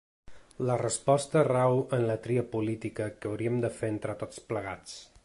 La resposta rau en la tria política que hauríem de fer entre tots plegats.